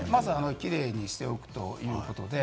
キレイにしておくということで。